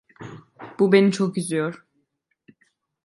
Bu beni çok üzüyor.